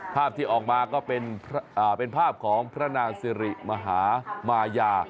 ภาพที่ออกมาก็เป็นภาพของพระนางสิริมหามายา